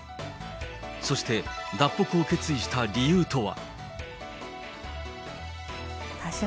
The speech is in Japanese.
そして、脱北を決意した理由とは。